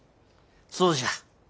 そうじゃ。